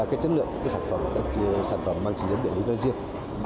các sản phẩm mang chỉ dẫn địa lý ra riêng